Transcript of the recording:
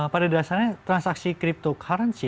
pada dasarnya transaksi cryptocurrency